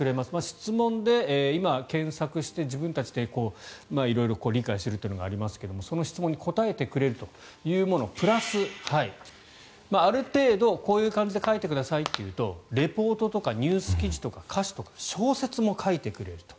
質問で今、検索して自分たちで色々理解するというのがありますがその質問に答えてくれるというプラスある程度、こういう感じで書いてくださいというとレポートとかニュース記事とか小説とか歌詞とかも書いてくれると。